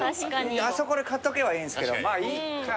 あそこで買っとけばいいんすけどまあいっか。